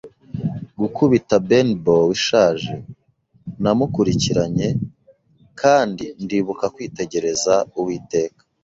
gukubita Benbow ishaje. Namukurikiranye, kandi ndibuka kwitegereza Uwiteka